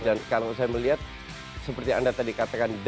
dan kalau saya melihat seperti yang anda katakan